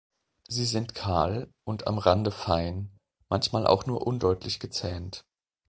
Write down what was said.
Sie sind kahl, und am Rande fein, manchmal auch nur undeutlich gezähnt.